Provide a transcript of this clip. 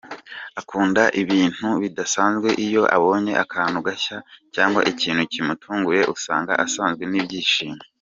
Akunda ibintu bidasanzwe, iyo abonye akantu gashya cyangwa ikintu kimutunguye usanga yasazwe n’ibyishimo.